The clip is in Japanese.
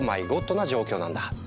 な状況なんだ。